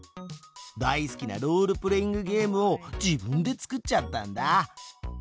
大好きなロールプレイングゲームを自分で作っちゃったんだ。